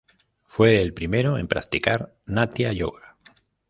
Fue el primero en practicar "natia-yoga".